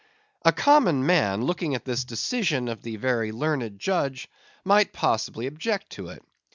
A common man looking at this decision of the very learned Judge, might possibly object to it.